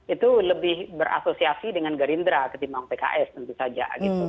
itu lebih berasosiasi dengan gerindra ketimbang pks tentu saja